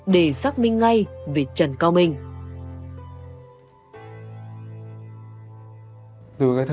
để xác minh ngay về trần cao minh